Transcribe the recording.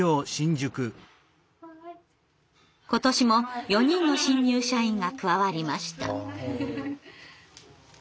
今年も４人の新入社員が加わりました。